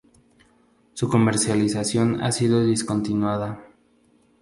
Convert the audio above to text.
Su comercialización ha sido discontinuada.